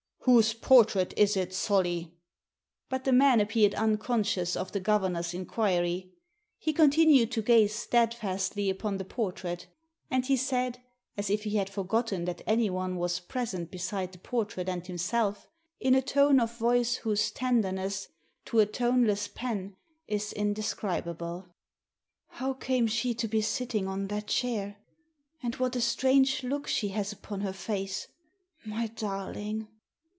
*'* Whose portrait is it, Solly?" But the man appeared unconscious of the governor's inquiry. He continued to gaze steadfastly upon the portrait And he said, as if he had forgotten that anyone was present beside the portrait and himself, in a tone of voice whose tenderness, to a toneless pen, is indescribable— " How came she to be sitting on that chair? And what a strange look she has upon her face! My darling!"